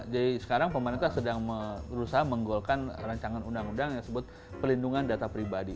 jadi sekarang pemerintah sedang berusaha menggolkan rancangan undang undang yang disebut pelindungan data pribadi